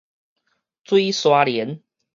水沙連